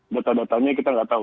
data datanya kita nggak tahu